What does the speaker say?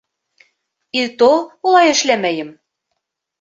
И то улай эшләмәйем.